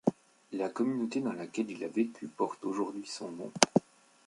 La communauté dans laquelle il a vécu porte aujourd'hui son nom.